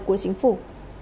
của chính phủ